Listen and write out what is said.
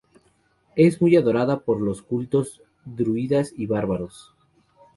Es muy adorada por los cultos druidas y bárbaros.